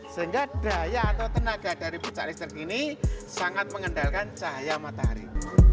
sehingga daya atau tenaga dari pucat listrik ini sangat mengendalikan cahaya matahari